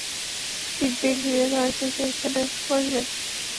চিক দিয়ে ঘিরে দিয়েছে, সেইখেনে বসবে?